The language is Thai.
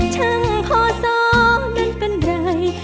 ชั้นพอซ้อนั้นเป็นไร